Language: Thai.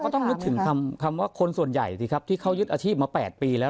ต้องนึกถึงคำว่าคนส่วนใหญ่สิครับที่เขายึดอาชีพมา๘ปีแล้ว